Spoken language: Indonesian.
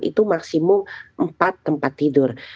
itu maksimum empat tempat tidur